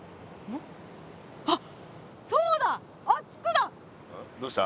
んっどうした？